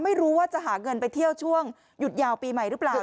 ไม่รู้ว่าจะหาเงินไปเที่ยวช่วงหยุดยาวปีใหม่หรือเปล่า